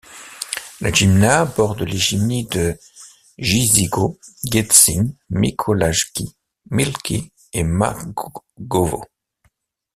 La gmina borde les gminy de Giżycko, Kętrzyn, Mikołajki, Miłki et Mrągowo.